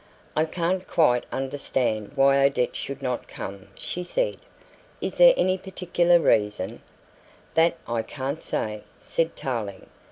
"I can't quite understand why Odette should not come," she said. "Is there any particular reason?" "That I can't say," said Tarling.